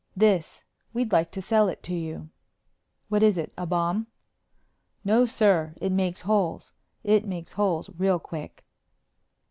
"This. We'd like to sell it to you." "What is it? A bomb?" "No, sir. It makes holes. It makes holes real quick."